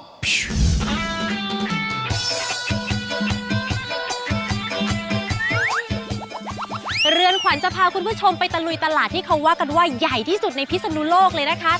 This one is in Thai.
เรือนขวัญจะพาคุณผู้ชมไปตะลุยตลาดที่เขาว่ากันว่าใหญ่ที่สุดในพิศนุโลกเลยนะคะ